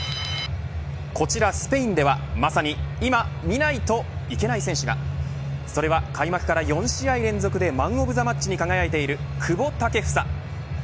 こちらスペインでは、まさにいまみないといけない選手がそれは開幕から４試合連続でマン・オブ・ザ・マッチに輝いている久保建英。